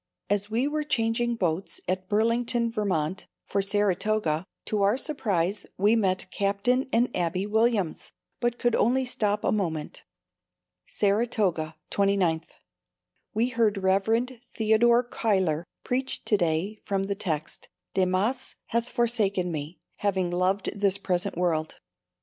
As we were changing boats at Burlington, Vt, for Saratoga, to our surprise, we met Captain and Abbie Williams, but could only stop a moment. Saratoga, 29_th._ We heard Rev. Theodore Cuyler preach to day from the text, "Demas hath forsaken me, having loved this present world."